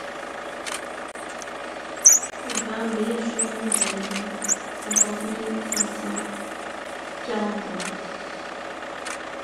vingt B chemin de l'Aillerie, cinquante mille cinq cents Carentan